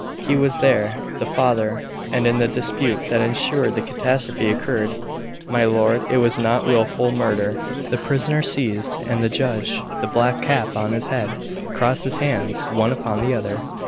He was there, the father, and in the dispute that ensued the catastrophe occurred. My lord, it was not wilful murder." The prisoner ceased, and the judge, the black cap on his head, crossed his hands one upon the other.